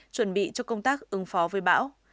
chuẩn bị cho công tác ứng phó với bão